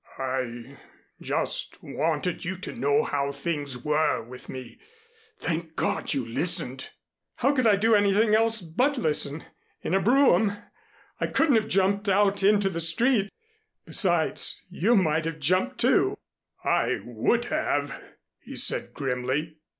I just wanted you to know how things were with me. Thank God, you listened." "How could I do anything else but listen in a brougham I couldn't have jumped out into the street. Besides, you might have jumped, too." "I would have," he said grimly.